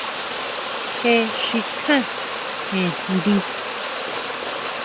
Jé xikjá jen njdi.